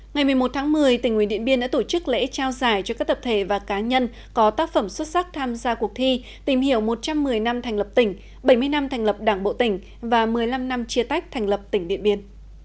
ngày một mươi một tháng một mươi tỉnh nguyễn điện biên đã tổ chức lễ trao giải cho các tập thể và cá nhân có tác phẩm xuất sắc tham gia cuộc thi tìm hiểu một trăm một mươi năm thành lập tỉnh bảy mươi năm thành lập đảng bộ tỉnh và một mươi năm năm chia tách thành lập tỉnh điện biên